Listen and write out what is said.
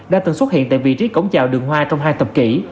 đã từng xuất hiện tại vị trí cổng chào đường hoa trong hai thập kỷ